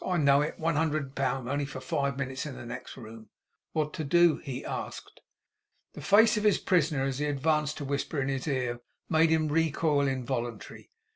'I know it. One hundred pound for only five minutes in the next room!' 'What to do?' he asked. The face of his prisoner as he advanced to whisper in his ear, made him recoil involuntarily.